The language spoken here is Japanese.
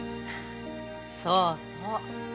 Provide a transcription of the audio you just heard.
そうそう。